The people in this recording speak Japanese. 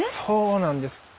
そうなんです。